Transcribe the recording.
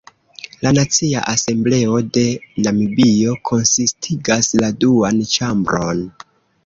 La Nacia Asembleo de Namibio konsistigas la duan ĉambron.